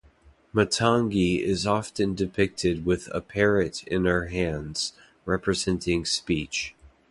Matangi is often depicted with a parrot in her hands, representing speech.